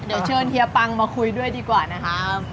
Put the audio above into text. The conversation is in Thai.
เดี๋ยวเชิญเฮียปังมาคุยด้วยดีกว่านะครับ